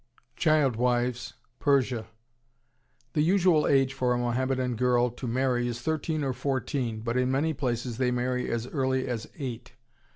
CHILD WIVES, PERSIA The usual age for a Mohammedan girl to marry is thirteen or fourteen, but in many places they marry as early as eight....